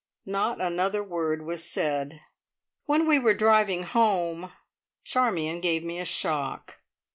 Not another word was said. When we were driving home, Charmion gave me a shock.